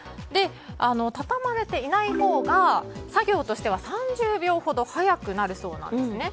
畳まれていないほうが作業としては３０秒ほど早くなるそうなんですね。